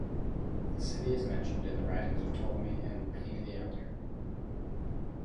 The city is mentioned in the writings of Ptolemy and Pliny the Elder.